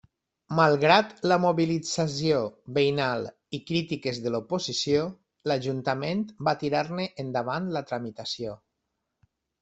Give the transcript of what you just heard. Malgrat la mobilització veïnal i crítiques de l'oposició, l'Ajuntament va tirar-ne endavant la tramitació.